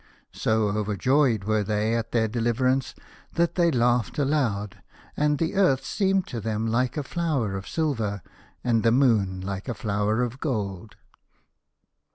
So overjoyed were they at their deliverance that they laughed aloud, and the Earth seemed I 3 I A House of Pomegranates. to them like a flower of silver, and the Moon like a flower of uold.